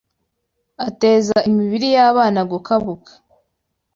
Ateza Imibiri y’Abana Gukabuka